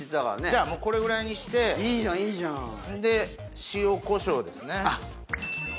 じゃあもうこれぐらいにしていいじゃんいいじゃんで塩コショウですね